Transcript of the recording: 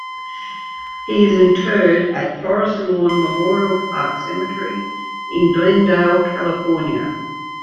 He is interred at Forest Lawn Memorial Park Cemetery in Glendale, California.